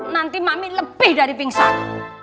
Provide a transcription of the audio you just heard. nanti makmi lebih dari pingsan